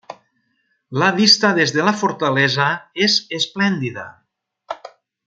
La vista des de la fortalesa és esplèndida.